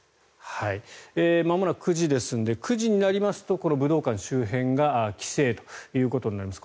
まもなく９時ですので９時になりますとこの武道館周辺が規制ということになります。